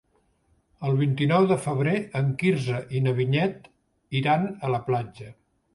El vint-i-nou de febrer en Quirze i na Vinyet iran a la platja.